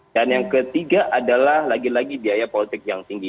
dan yang ketiga adalah lagi lagi biaya politik yang tinggi